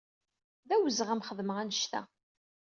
D awezɣi ad am-xedmeɣ anect-a.